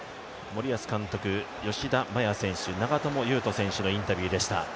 森保監督、吉田麻也選手長友佑都選手のインタビューでした。